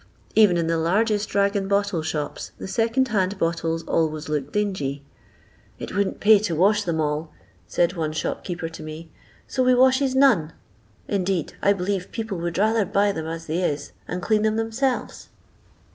Even in the hirgest rag and bottle shops, the second hand bottles always look dingy. "It wouldn't pay to wash them nil/' said one shop keeper to me, so we washes none ; indeed, I b'lieve people would rather buy them as they is, and clean them themselves."